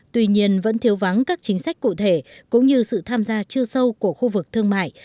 tuy nhiên vẫn thiếu vắng các chính sách cụ thể cũng như sự tham gia chưa sâu của khu vực thương mại